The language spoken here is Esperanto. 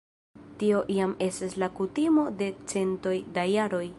Tio jam estas la kutimo de centoj da jaroj.